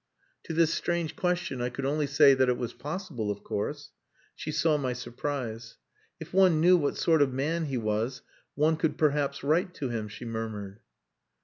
To this strange question I could only say that it was possible of course. She saw my surprise. "If one knew what sort of man he was one could perhaps write to him," she murmured.